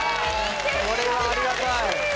これはありがたい！